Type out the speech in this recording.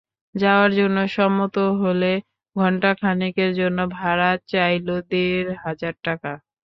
যাওয়ার জন্য সম্মত হলে ঘণ্টা খানেকের জন্য ভাড়া চাইল দেড় হাজার টাকা।